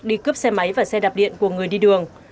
đi cướp xe máy và xe đạp điện của người đi đường